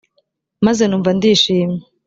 maze numva ndishimye